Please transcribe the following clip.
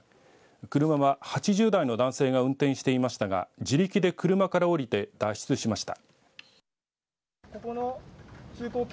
車は８０代の男性が運転していましたが自力で車から降りて脱出しました。